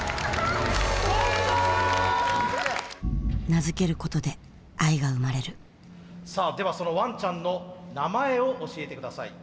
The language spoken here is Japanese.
名付けることで愛が生まれるさあではそのワンちゃんの名前を教えて下さい。